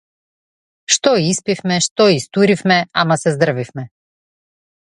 Што испивме, што истуривме, ама се здрвивме.